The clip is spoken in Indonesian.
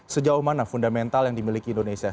sejauh mana fundamental yang dimiliki indonesia